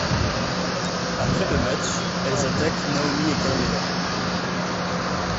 Après le match, elles attaquent Naomi et Carmella.